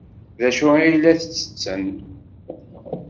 D acu ay la ttetten?